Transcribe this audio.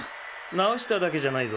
なおしただけじゃないぞ。